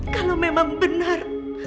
kalau memang benar